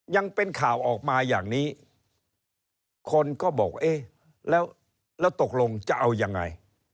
ยังเป็นข่าวออกมาอย่างนี้คนก็บอกเอ๊ะแล้วตกลงจะเอายังไง